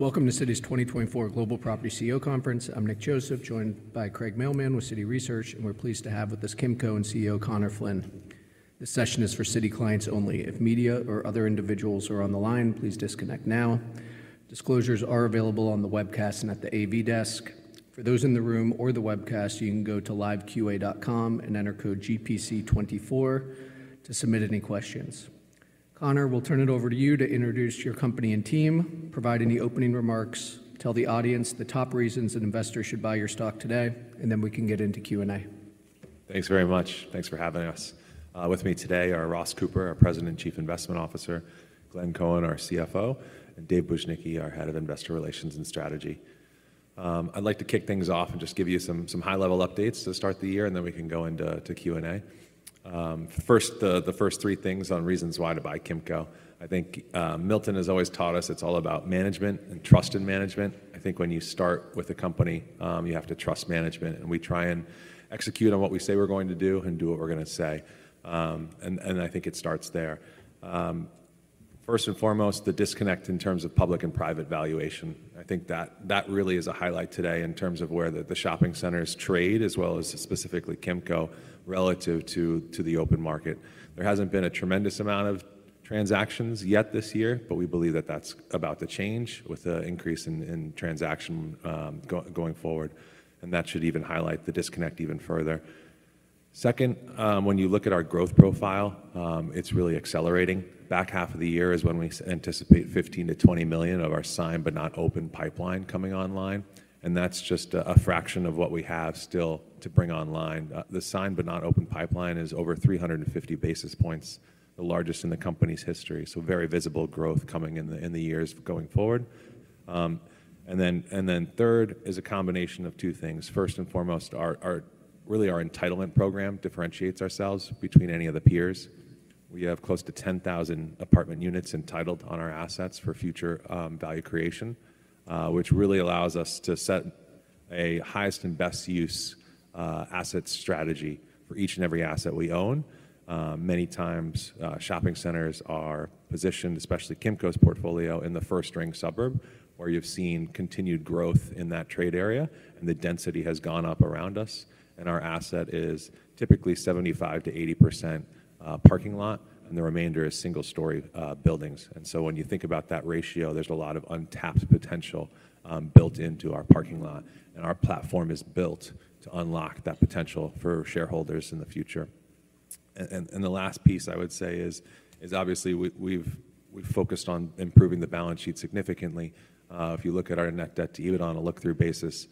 Welcome to Citi’s 2024 Global Property CEO Conference. I'm Nick Joseph, joined by Craig Mailman with Citi Research, and we're pleased to have with us Kimco CEO Conor Flynn. This session is for Citi clients only. If media or other individuals are on the line, please disconnect now. Disclosures are available on the Webcast and at the AV desk. For those in the room or the Webcast, you can go to LiveQA and enter code GPC24 to submit any questions. Conor, we'll turn it over to you to introduce your company and team, provide any opening remarks, tell the audience the top reasons an investor should buy your stock today, and then we can get into Q&A. Thanks very much. Thanks for having us. With me today are Ross Cooper, our President and Chief Investment Officer, Glenn Cohen, our CFO, and Dave Bujnicki, our Head of Investor Relations and Strategy. I'd like to kick things off and just give you some high-level updates to start the year, and then we can go into Q&A. First, the first three things on reasons why to buy Kimco. I think Milton has always taught us it's all about management and trust in management. I think when you start with a company, you have to trust management, and we try and execute on what we say we're going to do and do what we're going to say. And I think it starts there. First and foremost, the disconnect in terms of public and private valuation. I think that really is a highlight today in terms of where the shopping centers trade, as well as specifically Kimco, relative to the open market. There hasn't been a tremendous amount of transactions yet this year, but we believe that that's about to change with an increase in transaction going forward, and that should even highlight the disconnect even further. Second, when you look at our growth profile, it's really accelerating. Back half of the year is when we anticipate $15 million-$20 million of our signed but not open pipeline coming online, and that's just a fraction of what we have still to bring online. The signed but not open pipeline is over 350 basis points, the largest in the company's history, so very visible growth coming in the years going forward. Then third is a combination of two things. First and foremost, really our entitlement program differentiates ourselves between any of the peers. We have close to 10,000 apartment units entitled on our assets for future value creation, which really allows us to set a highest and best use asset strategy for each and every asset we own. Many times, shopping centers are positioned, especially Kimco's portfolio, in the first-ring suburb where you've seen continued growth in that trade area, and the density has gone up around us. And our asset is typically 75%-80% parking lot, and the remainder is single-story buildings. And so when you think about that ratio, there's a lot of untapped potential built into our parking lot, and our platform is built to unlock that potential for shareholders in the future. And the last piece, I would say, is obviously we've focused on improving the balance sheet significantly. If you look at our net debt to EBITDA on a look-through basis,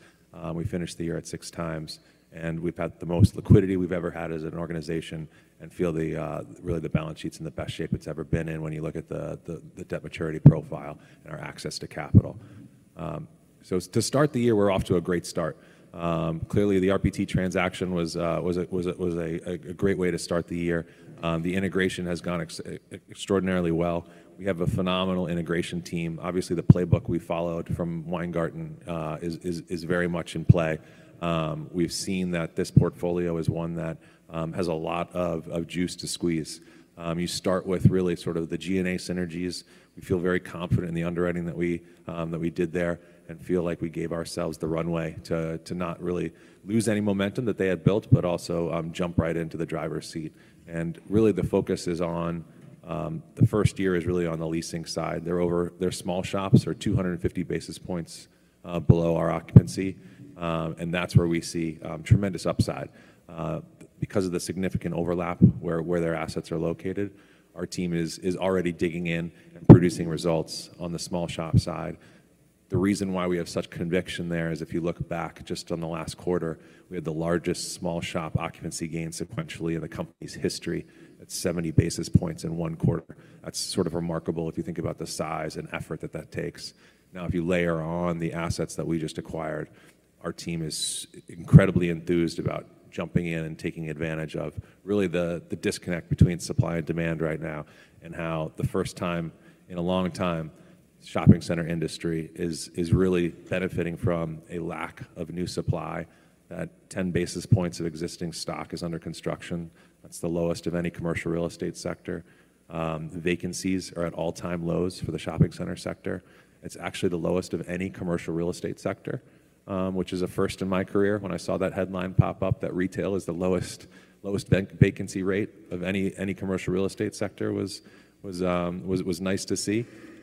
we finished the year at 6x, and we've had the most liquidity we've ever had as an organization and feel really the balance sheet's in the best shape it's ever been in when you look at the debt maturity profile and our access to capital. So to start the year, we're off to a great start. Clearly, the RPT transaction was a great way to start the year. The integration has gone extraordinarily well. We have a phenomenal integration team. Obviously, the playbook we followed from Weingarten is very much in play. We've seen that this portfolio is one that has a lot of juice to squeeze. You start with really sort of the G&A synergies. We feel very confident in the underwriting that we did there and feel like we gave ourselves the runway to not really lose any momentum that they had built, but also jump right into the driver's seat. And really, the focus is on the first year is really on the leasing side. Their small shops are 250 basis points below our occupancy, and that's where we see tremendous upside. Because of the significant overlap where their assets are located, our team is already digging in and producing results on the small shop side. The reason why we have such conviction there is if you look back just on the last quarter, we had the largest small shop occupancy gain sequentially in the company's history at 70 basis points in one quarter. That's sort of remarkable if you think about the size and effort that that takes. Now, if you layer on the assets that we just acquired, our team is incredibly enthused about jumping in and taking advantage of really the disconnect between supply and demand right now and how the first time in a long time shopping center industry is really benefiting from a lack of new supply. That 10 basis points of existing stock is under construction. That's the lowest of any commercial real estate sector. Vacancies are at all-time lows for the shopping center sector. It's actually the lowest of any commercial real estate sector, which is a first in my career when I saw that headline pop up that retail is the lowest vacancy rate of any commercial real estate sector was nice to see.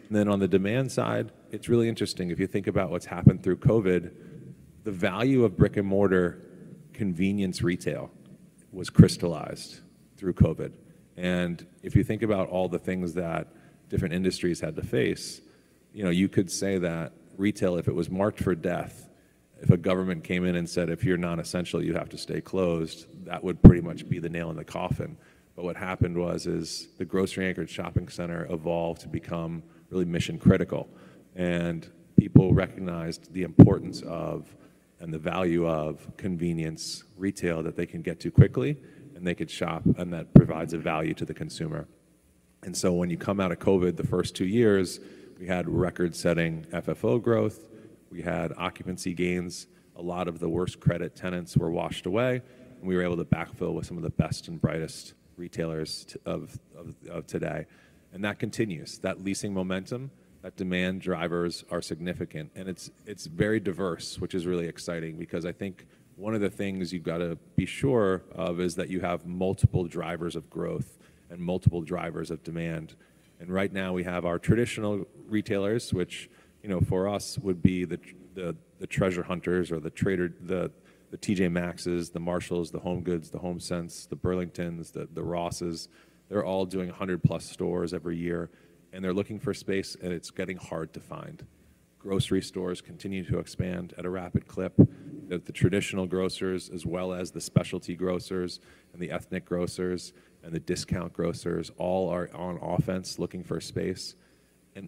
And then on the demand side, it's really interesting. If you think about what's happened through COVID, the value of brick-and-mortar convenience retail was crystallized through COVID. And if you think about all the things that different industries had to face, you could say that retail, if it was marked for death, if a government came in and said, "If you're non-essential, you have to stay closed," that would pretty much be the nail in the coffin. But what happened was the grocery-anchored shopping center evolved to become really mission-critical, and people recognized the importance of and the value of convenience retail that they can get to quickly and they could shop, and that provides a value to the consumer. And so when you come out of COVID, the first two years, we had record-setting FFO growth. We had occupancy gains. A lot of the worst credit tenants were washed away, and we were able to backfill with some of the best and brightest retailers of today. And that continues. That leasing momentum, those demand drivers are significant, and it's very diverse, which is really exciting because I think one of the things you've got to be sure of is that you have multiple drivers of growth and multiple drivers of demand. Right now, we have our traditional retailers, which for us would be the treasure hunters or the TJ Maxx, the Marshalls, the HomeGoods, the HomeSense, the Burlingtons, the Rosses. They're all doing 100+ stores every year, and they're looking for space, and it's getting hard to find. Grocery stores continue to expand at a rapid clip. The traditional grocers, as well as the specialty grocers and the ethnic grocers and the discount grocers, all are on offense looking for space.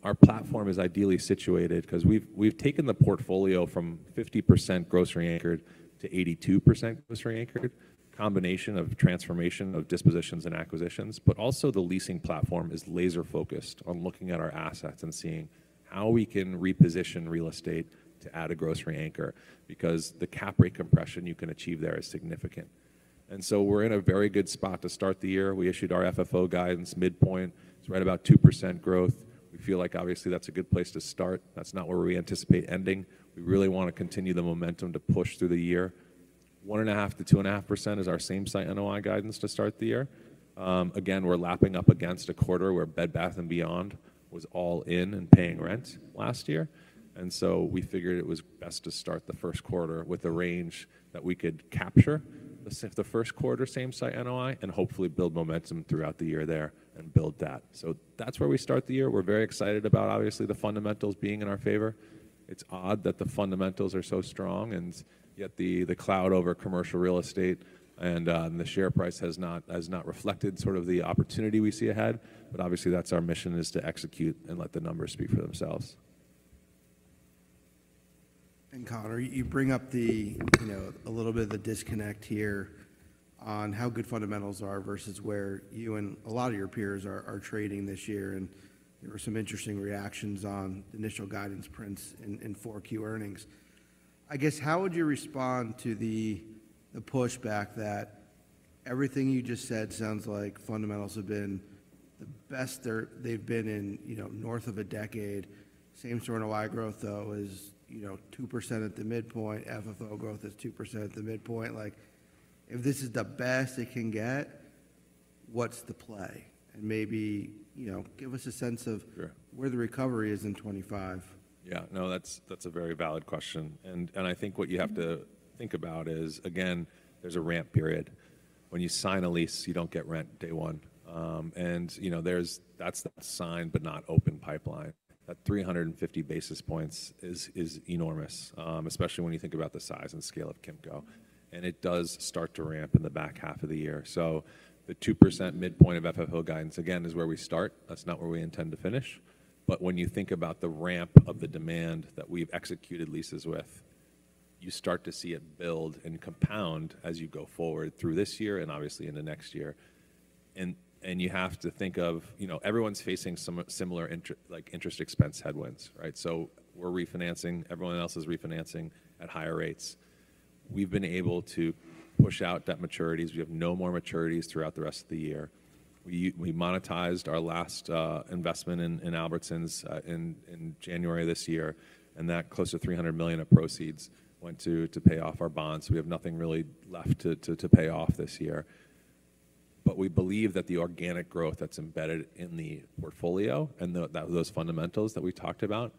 Our platform is ideally situated because we've taken the portfolio from 50% grocery-anchored to 82% grocery-anchored, combination of transformation of dispositions and acquisitions, but also the leasing platform is laser-focused on looking at our assets and seeing how we can reposition real estate to add a grocery anchor because the cap rate compression you can achieve there is significant. And so we're in a very good spot to start the year. We issued our FFO guidance midpoint. It's right about 2% growth. We feel like, obviously, that's a good place to start. That's not where we anticipate ending. We really want to continue the momentum to push through the year. 1.5%-2.5% is our same-site NOI guidance to start the year. Again, we're lapping up against a quarter where Bed Bath & Beyond was all in and paying rent last year, and so we figured it was best to start the first quarter with a range that we could capture the first quarter same-site NOI and hopefully build momentum throughout the year there and build that. So that's where we start the year. We're very excited about, obviously, the fundamentals being in our favor. It's odd that the fundamentals are so strong, and yet the cloud over commercial real estate and the share price has not reflected sort of the opportunity we see ahead, but obviously, that's our mission, is to execute and let the numbers speak for themselves. Conor, you bring up a little bit of the disconnect here on how good fundamentals are versus where you and a lot of your peers are trading this year, and there were some interesting reactions on the initial guidance prints and 4Q earnings. I guess, how would you respond to the pushback that everything you just said sounds like fundamentals have been the best they've been in north of a decade? Same sort of NOI growth, though, is 2% at the midpoint. FFO growth is 2% at the midpoint. If this is the best it can get, what's the play? Maybe give us a sense of where the recovery is in 2025. Yeah. No, that's a very valid question. And I think what you have to think about is, again, there's a ramp period. When you sign a lease, you don't get rent day one. And that's that signed but not open pipeline. That 350 basis points is enormous, especially when you think about the size and scale of Kimco. And it does start to ramp in the back half of the year. So the 2% midpoint of FFO guidance, again, is where we start. That's not where we intend to finish. But when you think about the ramp of the demand that we've executed leases with, you start to see it build and compound as you go forward through this year and obviously into next year. And you have to think of everyone's facing similar interest expense headwinds, right? So we're refinancing. Everyone else is refinancing at higher rates. We've been able to push out debt maturities. We have no more maturities throughout the rest of the year. We monetized our last investment in Albertsons in January of this year, and that close to $300 million of proceeds went to pay off our bonds. We have nothing really left to pay off this year. But we believe that the organic growth that's embedded in the portfolio and those fundamentals that we talked about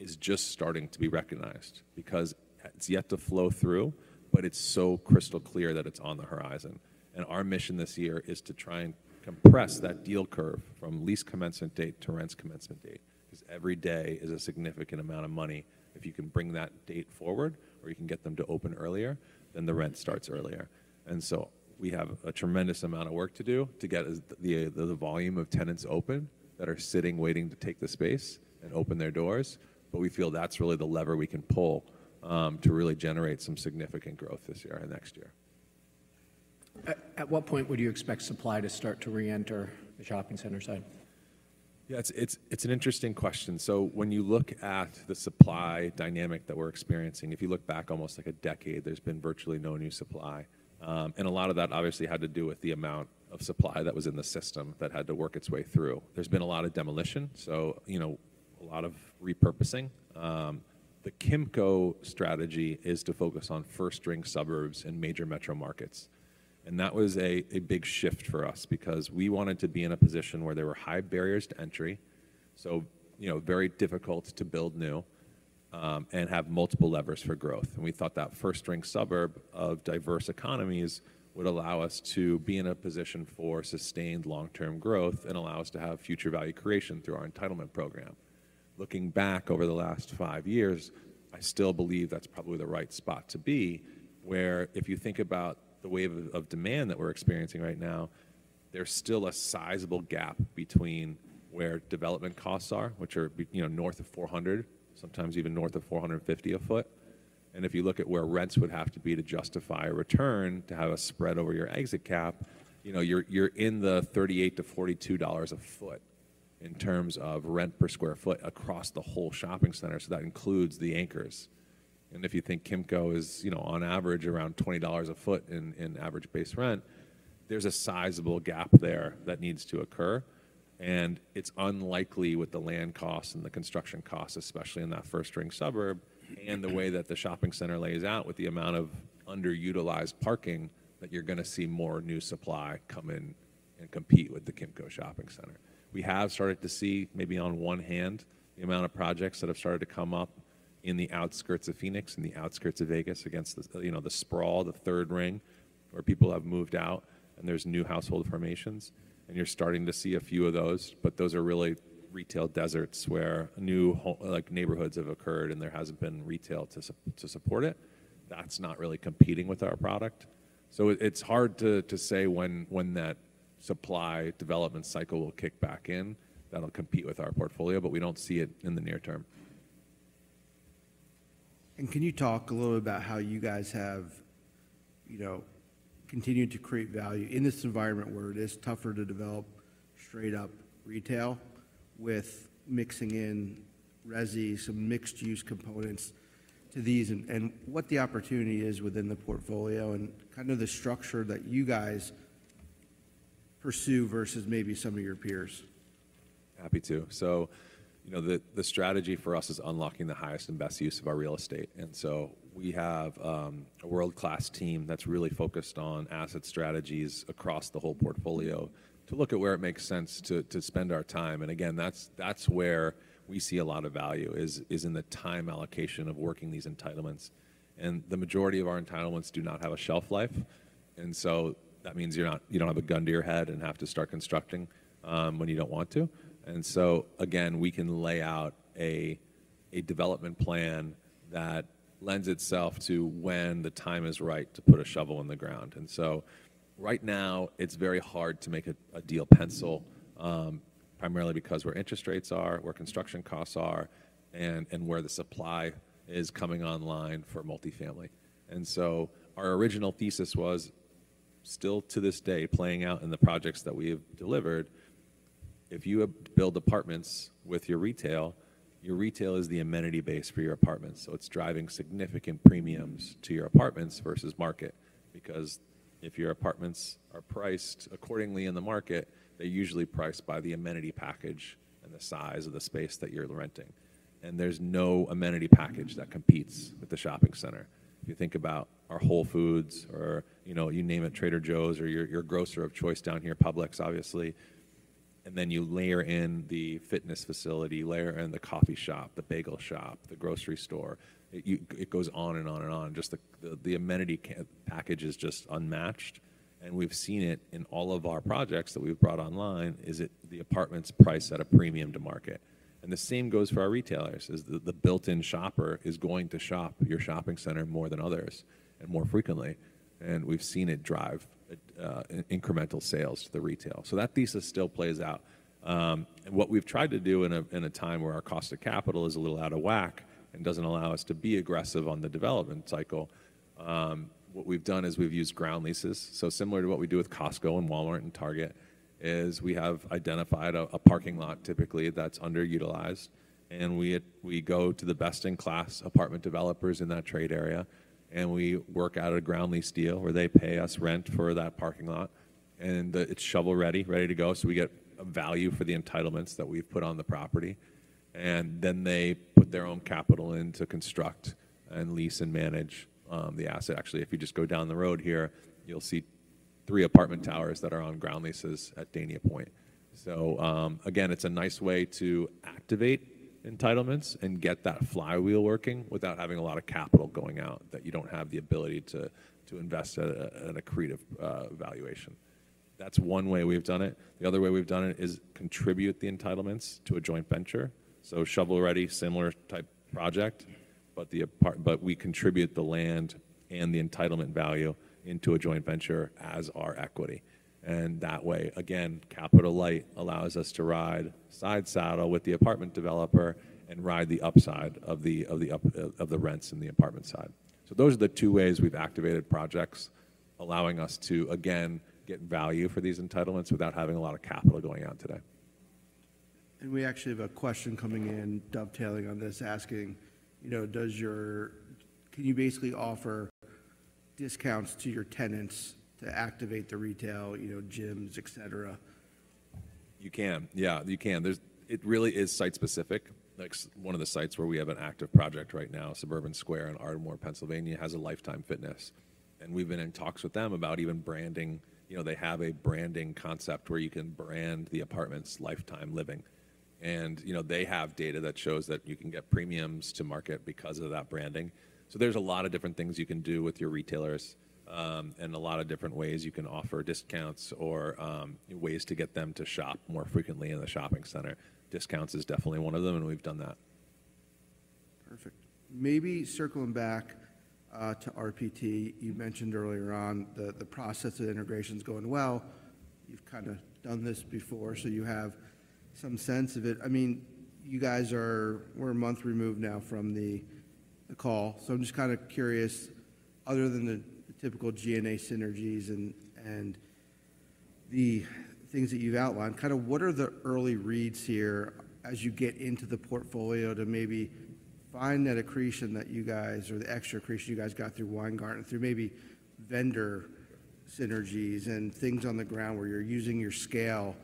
is just starting to be recognized because it's yet to flow through, but it's so crystal clear that it's on the horizon. And our mission this year is to try and compress that deal curve from lease commencement date to rents commencement date because every day is a significant amount of money. If you can bring that date forward or you can get them to open earlier, then the rent starts earlier. And so we have a tremendous amount of work to do to get the volume of tenants open that are sitting waiting to take the space and open their doors, but we feel that's really the lever we can pull to really generate some significant growth this year and next year. At what point would you expect supply to start to reenter the shopping center side? Yeah. It's an interesting question. So when you look at the supply dynamic that we're experiencing, if you look back almost like a decade, there's been virtually no new supply, and a lot of that obviously had to do with the amount of supply that was in the system that had to work its way through. There's been a lot of demolition, so a lot of repurposing. The Kimco strategy is to focus on first-ring suburbs and major metro markets. And that was a big shift for us because we wanted to be in a position where there were high barriers to entry, so very difficult to build new and have multiple levers for growth. And we thought that first-ring suburb of diverse economies would allow us to be in a position for sustained long-term growth and allow us to have future value creation through our entitlement program. Looking back over the last five years, I still believe that's probably the right spot to be where if you think about the wave of demand that we're experiencing right now, there's still a sizable gap between where development costs are, which are north of $400, sometimes even north of $450 a foot. And if you look at where rents would have to be to justify a return, to have a spread over your exit cap, you're in the $38-$42 a foot in terms of rent per square foot across the whole shopping center. So that includes the anchors. And if you think Kimco is on average around $20 a foot in average-based rent, there's a sizable gap there that needs to occur. It's unlikely with the land costs and the construction costs, especially in that first-ring suburb and the way that the shopping center lays out with the amount of underutilized parking that you're going to see more new supply come in and compete with the Kimco shopping center. We have started to see, maybe on one hand, the amount of projects that have started to come up in the outskirts of Phoenix, in the outskirts of Vegas against the sprawl, the third ring, where people have moved out and there's new household formations. You're starting to see a few of those, but those are really retail deserts where new neighborhoods have occurred and there hasn't been retail to support it. That's not really competing with our product. It's hard to say when that supply development cycle will kick back in that'll compete with our portfolio, but we don't see it in the near term. Can you talk a little bit about how you guys have continued to create value in this environment where it is tougher to develop straight-up retail with mixing in resi, some mixed-use components to these, and what the opportunity is within the portfolio and kind of the structure that you guys pursue versus maybe some of your peers? Happy to. So the strategy for us is unlocking the highest and best use of our real estate. And so we have a world-class team that's really focused on asset strategies across the whole portfolio to look at where it makes sense to spend our time. And again, that's where we see a lot of value is in the time allocation of working these entitlements. And the majority of our entitlements do not have a shelf life, and so that means you don't have a gun to your head and have to start constructing when you don't want to. And so again, we can lay out a development plan that lends itself to when the time is right to put a shovel in the ground. So right now, it's very hard to make a deal pencil primarily because where interest rates are, where construction costs are, and where the supply is coming online for multifamily. Our original thesis was still to this day playing out in the projects that we have delivered, if you build apartments with your retail, your retail is the amenity base for your apartments. It's driving significant premiums to your apartments versus market because if your apartments are priced accordingly in the market, they're usually priced by the amenity package and the size of the space that you're renting. There's no amenity package that competes with the shopping center. If you think about our Whole Foods or you name it Trader Joe's or your grocer of choice down here, Publix, obviously, and then you layer in the fitness facility, layer in the coffee shop, the bagel shop, the grocery store, it goes on and on and on. Just the amenity package is just unmatched. And we've seen it in all of our projects that we've brought online is that the apartments price at a premium to market. And the same goes for our retailers is the built-in shopper is going to shop your shopping center more than others and more frequently, and we've seen it drive incremental sales to the retail. So that thesis still plays out. What we've tried to do in a time where our cost of capital is a little out of whack and doesn't allow us to be aggressive on the development cycle, what we've done is we've used ground leases. Similar to what we do with Costco and Walmart and Target is we have identified a parking lot typically that's underutilized, and we go to the best-in-class apartment developers in that trade area, and we work out a ground lease deal where they pay us rent for that parking lot, and it's shovel-ready, ready to go. We get a value for the entitlements that we've put on the property, and then they put their own capital in to construct and lease and manage the asset. Actually, if you just go down the road here, you'll see three apartment towers that are on ground leases at Dania Pointe. So again, it's a nice way to activate entitlements and get that flywheel working without having a lot of capital going out that you don't have the ability to invest at a accretive valuation. That's one way we've done it. The other way we've done it is contribute the entitlements to a joint venture. So shovel-ready, similar type project, but we contribute the land and the entitlement value into a joint venture as our equity. And that way, again, capital light allows us to ride side saddle with the apartment developer and ride the upside of the rents in the apartment side. So those are the two ways we've activated projects, allowing us to, again, get value for these entitlements without having a lot of capital going out today. We actually have a question coming in dovetailing on this asking, can you basically offer discounts to your tenants to activate the retail, gyms, et cetera? You can. Yeah. You can. It really is site-specific. One of the sites where we have an active project right now, Suburban Square in Ardmore, Pennsylvania, has a Life Time Fitness. And we've been in talks with them about even branding. They have a branding concept where you can brand the apartment's Life Time Living. And they have data that shows that you can get premiums to market because of that branding. So there's a lot of different things you can do with your retailers and a lot of different ways you can offer discounts or ways to get them to shop more frequently in the shopping center. Discounts is definitely one of them, and we've done that. Perfect. Maybe circling back to RPT, you mentioned earlier on the process of integration's going well. You've kind of done this before, so you have some sense of it. I mean, we're a month removed now from the call, so I'm just kind of curious, other than the typical G&A synergies and the things that you've outlined, kind of what are the early reads here as you get into the portfolio to maybe find that accretion that you guys or the extra accretion you guys got through Weingarten through maybe vendor synergies and things on the ground where you're using your scale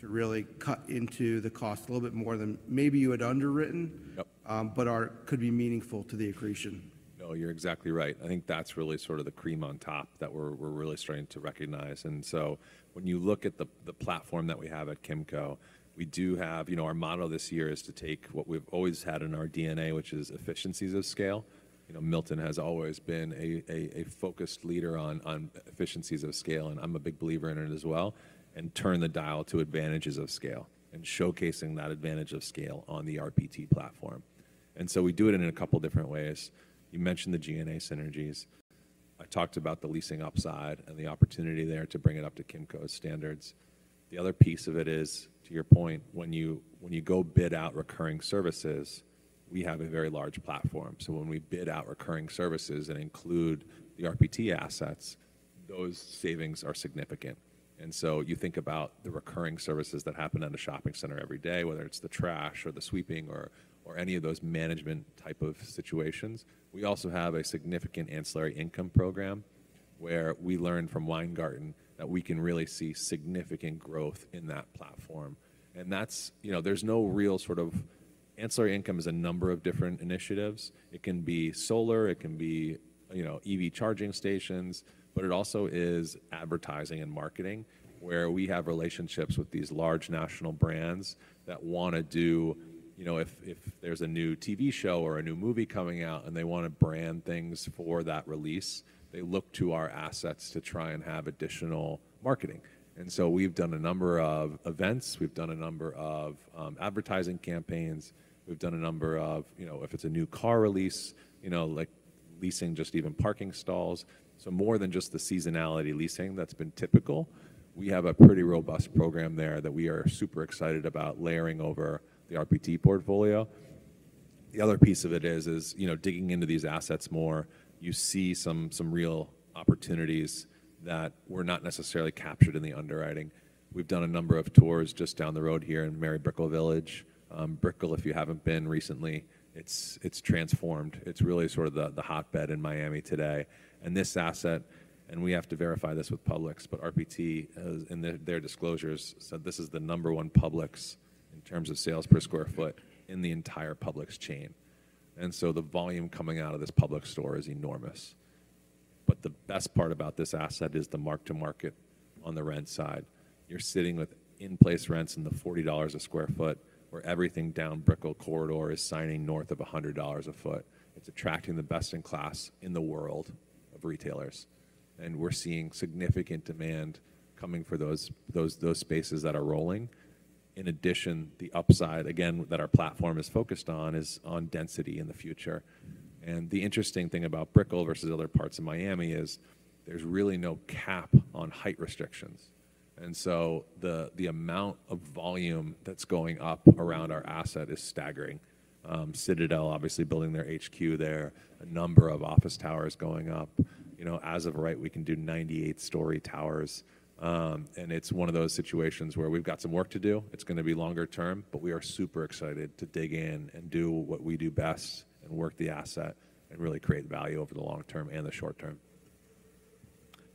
to really cut into the cost a little bit more than maybe you had underwritten but could be meaningful to the accretion? No, you're exactly right. I think that's really sort of the cream on top that we're really starting to recognize. And so when you look at the platform that we have at Kimco, we do have our motto this year is to take what we've always had in our DNA, which is efficiencies of scale. Milton has always been a focused leader on efficiencies of scale, and I'm a big believer in it as well, and turn the dial to advantages of scale and showcasing that advantage of scale on the RPT platform. And so we do it in a couple of different ways. You mentioned the G&A synergies. I talked about the leasing upside and the opportunity there to bring it up to Kimco's standards. The other piece of it is, to your point, when you go bid out recurring services, we have a very large platform. So when we bid out recurring services and include the RPT assets, those savings are significant. And so you think about the recurring services that happen in the shopping center every day, whether it's the trash or the sweeping or any of those management type of situations. We also have a significant ancillary income program where we learn from Weingarten that we can really see significant growth in that platform. And there's no real sort of ancillary income is a number of different initiatives. It can be solar. It can be EV charging stations, but it also is advertising and marketing where we have relationships with these large national brands that want to do if there's a new TV show or a new movie coming out and they want to brand things for that release, they look to our assets to try and have additional marketing. And so we've done a number of events. We've done a number of advertising campaigns. We've done a number of if it's a new car release, leasing just even parking stalls. So more than just the seasonality leasing that's been typical, we have a pretty robust program there that we are super excited about layering over the RPT portfolio. The other piece of it is digging into these assets more. You see some real opportunities that were not necessarily captured in the underwriting. We've done a number of tours just down the road here in Mary Brickell Village. Brickell, if you haven't been recently, it's transformed. It's really sort of the hotbed in Miami today. And this asset, and we have to verify this with Publix, but RPT, in their disclosures, said this is the number one Publix in terms of sales per square foot in the entire Publix chain. And so the volume coming out of this Publix store is enormous. But the best part about this asset is the mark-to-market on the rent side. You're sitting with in-place rents in the $40/sq ft where everything down Brickell Corridor is signing north of $100/sq ft. It's attracting the best-in-class in the world of retailers. And we're seeing significant demand coming for those spaces that are rolling. In addition, the upside, again, that our platform is focused on is on density in the future. And the interesting thing about Brickell versus other parts of Miami is there's really no cap on height restrictions. And so the amount of volume that's going up around our asset is staggering. Citadel, obviously, building their HQ there. A number of office towers going up. As of right, we can do 98-story towers. And it's one of those situations where we've got some work to do. It's going to be longer term, but we are super excited to dig in and do what we do best and work the asset and really create value over the long term and the short term.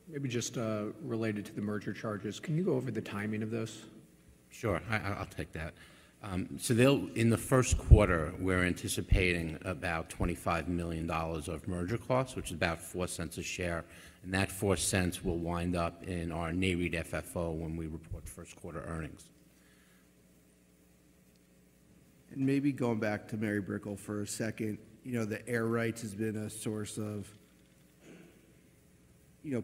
Maybe just related to the merger charges, can you go over the timing of those? Sure. I'll take that. So in the first quarter, we're anticipating about $25 million of merger costs, which is about $0.04 a share. And that $0.04 will wind up in our NAREIT FFO when we report first quarter earnings. Maybe going back to Mary Brickell for a second, the air rights has been a source of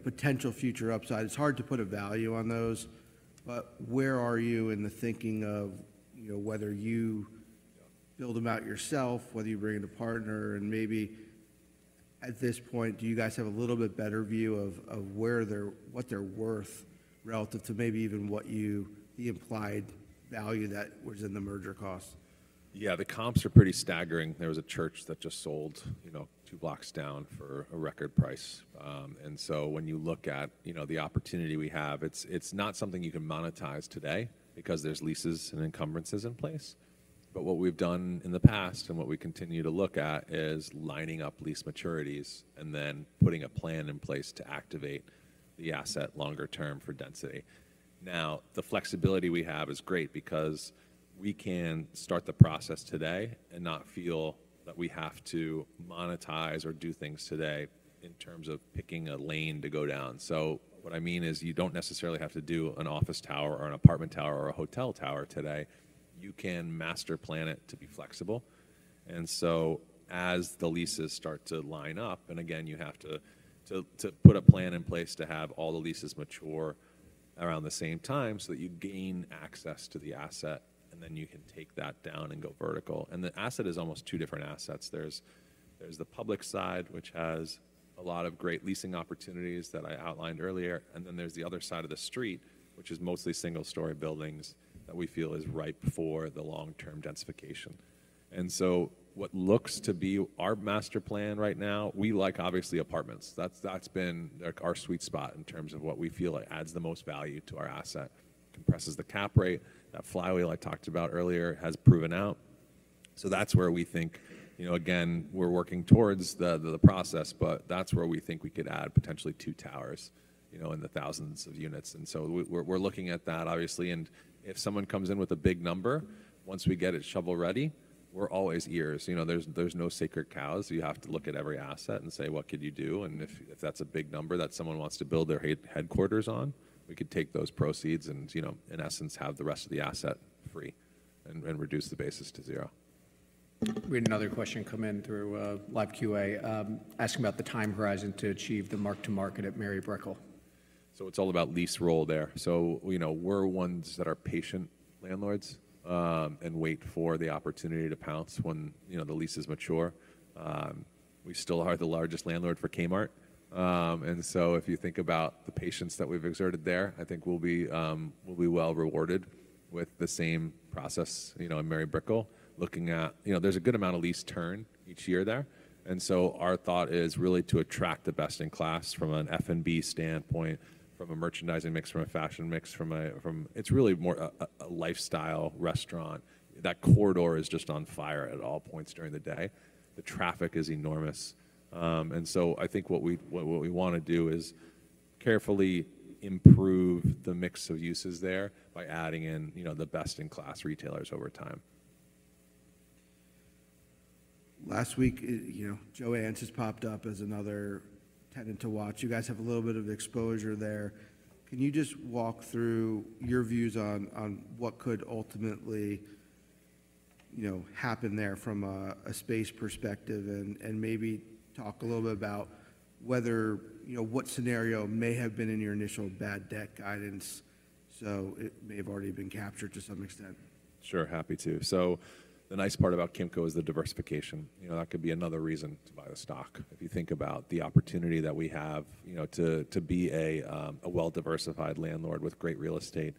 potential future upside. It's hard to put a value on those, but where are you in the thinking of whether you build them out yourself, whether you bring in a partner? Maybe at this point, do you guys have a little bit better view of what they're worth relative to maybe even the implied value that was in the merger costs? Yeah. The comps are pretty staggering. There was a church that just sold two blocks down for a record price. And so when you look at the opportunity we have, it's not something you can monetize today because there's leases and encumbrances in place. But what we've done in the past and what we continue to look at is lining up lease maturities and then putting a plan in place to activate the asset longer term for density. Now, the flexibility we have is great because we can start the process today and not feel that we have to monetize or do things today in terms of picking a lane to go down. So what I mean is you don't necessarily have to do an office tower or an apartment tower or a hotel tower today. You can master plan it to be flexible. And so as the leases start to line up, and again, you have to put a plan in place to have all the leases mature around the same time so that you gain access to the asset, and then you can take that down and go vertical. The asset is almost two different assets. There's the public side, which has a lot of great leasing opportunities that I outlined earlier. Then there's the other side of the street, which is mostly single-story buildings that we feel is ripe for the long-term densification. So what looks to be our master plan right now, we like, obviously, apartments. That's been our sweet spot in terms of what we feel adds the most value to our asset, compresses the cap rate. That flywheel I talked about earlier has proven out. So that's where we think, again, we're working towards the process, but that's where we think we could add potentially two towers in the thousands of units. And so we're looking at that, obviously. And if someone comes in with a big number, once we get it shovel-ready, we're always ears. There's no sacred cows. You have to look at every asset and say, "What could you do?" And if that's a big number that someone wants to build their headquarters on, we could take those proceeds and, in essence, have the rest of the asset free and reduce the basis to zero. We had another question come in through LiveQA asking about the time horizon to achieve the mark-to-market at Mary Brickell. So it's all about lease roll there. So we're ones that are patient landlords and wait for the opportunity to pounce when the lease is mature. We still are the largest landlord for Kmart. And so if you think about the patience that we've exerted there, I think we'll be well rewarded with the same process in Mary Brickell. There's a good amount of lease turn each year there. And so our thought is really to attract the best-in-class from an F&B standpoint, from a merchandising mix, from a fashion mix, from a it's really more a lifestyle restaurant. That corridor is just on fire at all points during the day. The traffic is enormous. And so I think what we want to do is carefully improve the mix of uses there by adding in the best-in-class retailers over time. Last week, JOANN has popped up as another tenant to watch. You guys have a little bit of exposure there. Can you just walk through your views on what could ultimately happen there from a space perspective and maybe talk a little bit about what scenario may have been in your initial bad debt guidance so it may have already been captured to some extent? Sure. Happy to. So the nice part about Kimco is the diversification. That could be another reason to buy the stock. If you think about the opportunity that we have to be a well-diversified landlord with great real estate,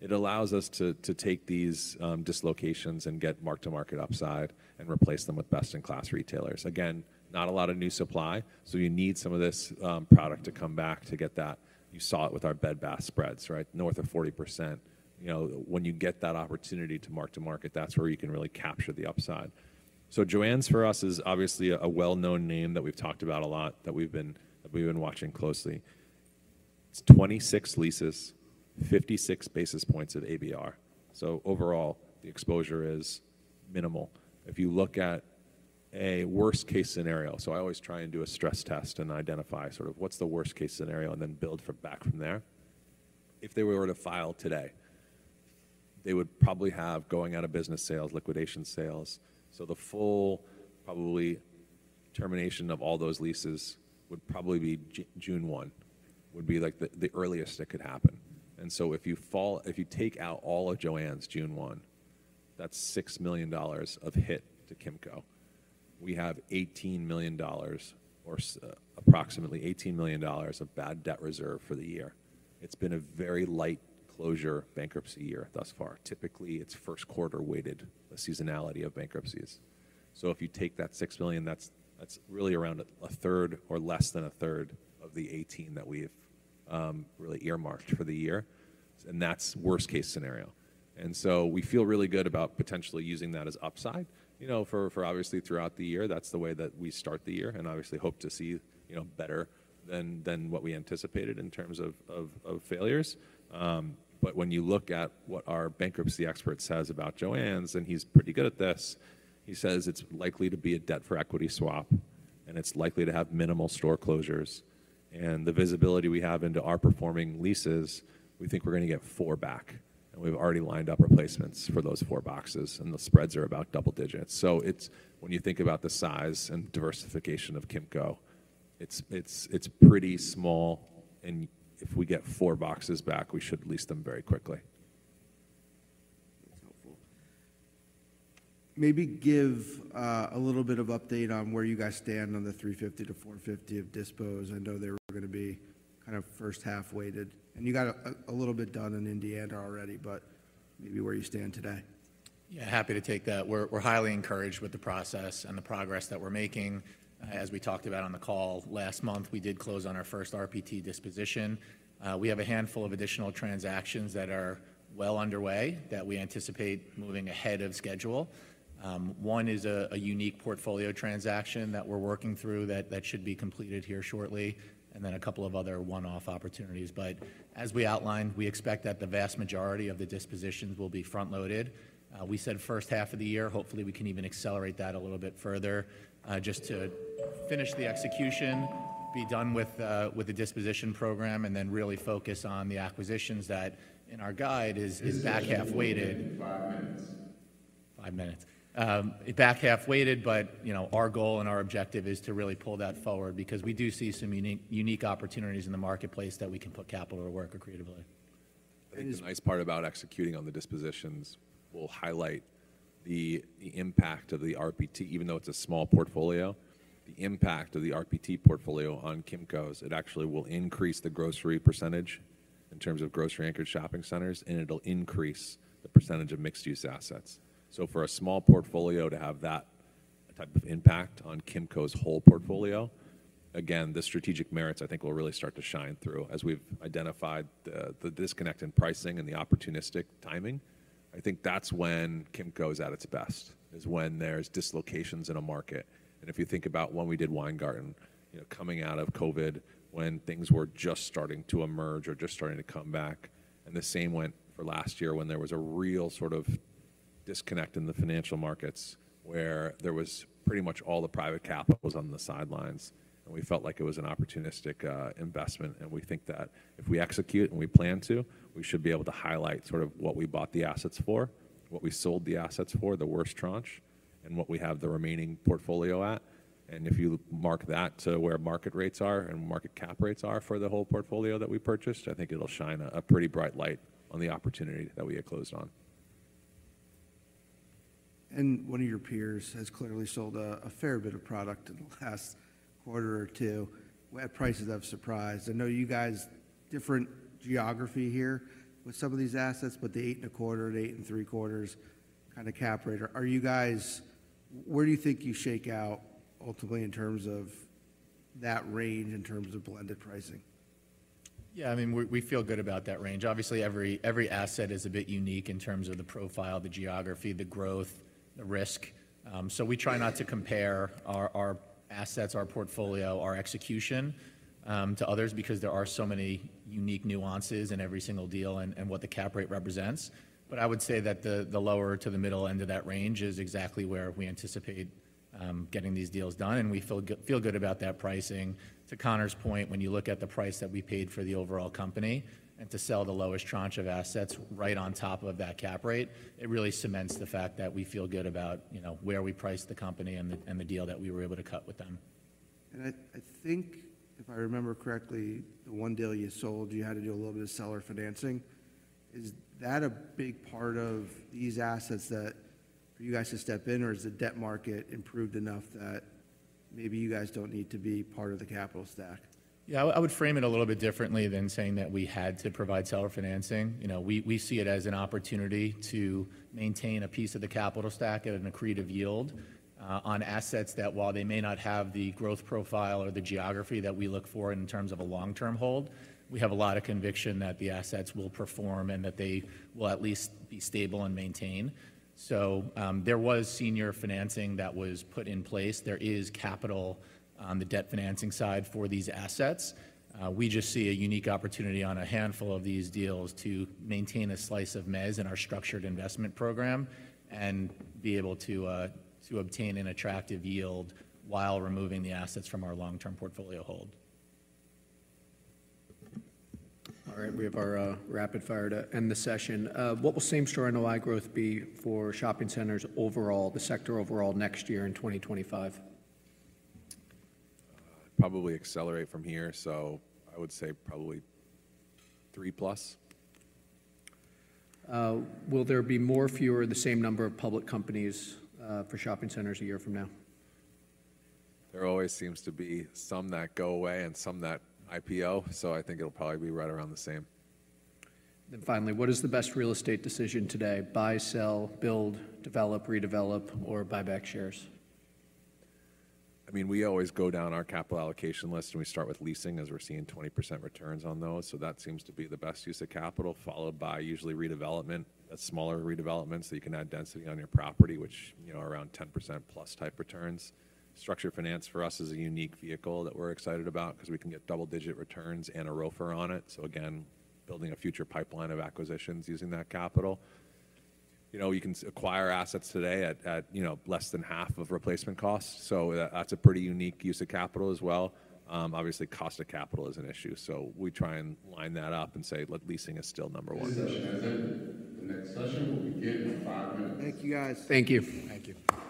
it allows us to take these dislocations and get mark-to-market upside and replace them with best-in-class retailers. Again, not a lot of new supply, so you need some of this product to come back to get that. You saw it with our Bed Bath & Beyond, right? North of 40%. When you get that opportunity to mark-to-market, that's where you can really capture the upside. So JOANN‘s, for us, is obviously a well-known name that we've talked about a lot that we've been watching closely. It's 26 leases, 56 basis points of ABR. So overall, the exposure is minimal. If you look at a worst-case scenario, so I always try and do a stress test and identify sort of what's the worst-case scenario and then build back from there. If they were to file today, they would probably have going out of business sales, liquidation sales. So the full probably termination of all those leases would probably be June 1, would be the earliest it could happen. And so if you take out all of JOANN's June 1, that's $6 million of hit to Kimco. We have $18 million or approximately $18 million of bad debt reserve for the year. It's been a very light closure bankruptcy year thus far. Typically, it's first quarter-weighted seasonality of bankruptcies. So if you take that $6 million, that's really around a 1/3 or less than a 1/3 of the $18 million that we have really earmarked for the year. And that's worst-case scenario. So we feel really good about potentially using that as upside for, obviously, throughout the year. That's the way that we start the year and, obviously, hope to see better than what we anticipated in terms of failures. But when you look at what our bankruptcy expert says about JOANN's, and he's pretty good at this, he says it's likely to be a debt-for-equity swap, and it's likely to have minimal store closures. And the visibility we have into our performing leases, we think we're going to get four back. And we've already lined up replacements for those four boxes, and the spreads are about double digits. So when you think about the size and diversification of Kimco, it's pretty small. And if we get four boxes back, we should lease them very quickly. That's helpful. Maybe give a little bit of update on where you guys stand on the $350 million-$450 million of dispositions. I know they were going to be kind of first-half weighted. You got a little bit done in Indiana already, but maybe where you stand today. Yeah. Happy to take that. We're highly encouraged with the process and the progress that we're making. As we talked about on the call last month, we did close on our first RPT disposition. We have a handful of additional transactions that are well underway that we anticipate moving ahead of schedule. One is a unique portfolio transaction that we're working through that should be completed here shortly, and then a couple of other one-off opportunities. But as we outlined, we expect that the vast majority of the dispositions will be front-loaded. We said first half of the year. Hopefully, we can even accelerate that a little bit further just to finish the execution, be done with the disposition program, and then really focus on the acquisitions that, in our guide, is back-half weighted. Five minutes. Five minutes. Back-half weighted, but our goal and our objective is to really pull that forward because we do see some unique opportunities in the marketplace that we can put capital to work creatively. I think the nice part about executing on the dispositions will highlight the impact of the RPT. Even though it's a small portfolio, the impact of the RPT portfolio on Kimco's, it actually will increase the grocery percentage in terms of grocery-anchored shopping centers, and it'll increase the percentage of mixed-use assets. So for a small portfolio to have that type of impact on Kimco's whole portfolio, again, the strategic merits, I think, will really start to shine through. As we've identified the disconnect in pricing and the opportunistic timing, I think that's when Kimco is at its best, is when there's dislocations in a market. And if you think about when we did Weingarten, coming out of COVID, when things were just starting to emerge or just starting to come back, and the same went for last year when there was a real sort of disconnect in the financial markets where there was pretty much all the private capital was on the sidelines. And we felt like it was an opportunistic investment. And we think that if we execute and we plan to, we should be able to highlight sort of what we bought the assets for, what we sold the assets for, the worst tranche, and what we have the remaining portfolio at. And if you mark that to where market rates are and market cap rates are for the whole portfolio that we purchased, I think it'll shine a pretty bright light on the opportunity that we had closed on. One of your peers has clearly sold a fair bit of product in the last quarter or two. We had prices that have surprised. I know you guys different geography here with some of these assets, but the 8.25%-8.75% kind of cap rate, where do you think you shake out ultimately in terms of that range, in terms of blended pricing? Yeah. I mean, we feel good about that range. Obviously, every asset is a bit unique in terms of the profile, the geography, the growth, the risk. So we try not to compare our assets, our portfolio, our execution to others because there are so many unique nuances in every single deal and what the cap rate represents. But I would say that the lower to the middle end of that range is exactly where we anticipate getting these deals done. And we feel good about that pricing. To Conor's point, when you look at the price that we paid for the overall company and to sell the lowest tranche of assets right on top of that cap rate, it really cements the fact that we feel good about where we priced the company and the deal that we were able to cut with them. I think, if I remember correctly, the one deal you sold, you had to do a little bit of seller financing. Is that a big part of these assets that for you guys to step in, or has the debt market improved enough that maybe you guys don't need to be part of the capital stack? Yeah. I would frame it a little bit differently than saying that we had to provide seller financing. We see it as an opportunity to maintain a piece of the capital stack at an accretive yield on assets that, while they may not have the growth profile or the geography that we look for in terms of a long-term hold, we have a lot of conviction that the assets will perform and that they will at least be stable and maintained. So there was senior financing that was put in place. There is capital on the debt financing side for these assets. We just see a unique opportunity on a handful of these deals to maintain a slice of MEZ in our structured investment program and be able to obtain an attractive yield while removing the assets from our long-term portfolio hold. All right. We have our rapid fire to end the session. What will same-store NOI growth be for shopping centers overall, the sector overall, next year in 2025? Probably accelerate from here. So I would say probably 3+. Will there be more, fewer, the same number of public companies for shopping centers a year from now? There always seems to be some that go away and some that IPO. So I think it'll probably be right around the same. Then finally, what is the best real estate decision today? Buy, sell, build, develop, redevelop, or buy back shares? I mean, we always go down our capital allocation list, and we start with leasing as we're seeing 20% returns on those. That seems to be the best use of capital, followed by usually redevelopment, a smaller redevelopment so you can add density on your property, which around 10%+ type returns. Structured finance, for us, is a unique vehicle that we're excited about because we can get double-digit returns and a ROFR on it. Again, building a future pipeline of acquisitions using that capital. You can acquire assets today at less than half of replacement costs. That's a pretty unique use of capital as well. Obviously, cost of capital is an issue. We try and line that up and say leasing is still number one. Good session. As ended, the next session will begin in five minutes. Thank you, guys. Thank you. Thank you.